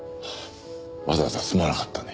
わざわざすまなかったね。